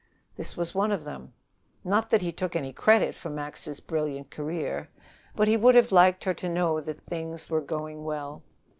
This was one of them. Not that he took any credit for Max's brilliant career but he would have liked her to know that things were going well.